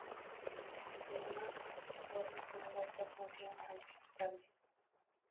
Sintoma horrek onura ekartzen zion Hansi, bestalde.